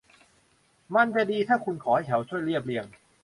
มันจะดีถ้าคุณขอให้เขาช่วยเรียบเรียง